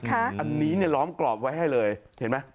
อันนี้ล้อมกรอบไว้ให้เลยเห็นไหม